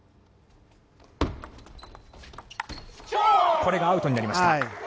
これがアウトになりました。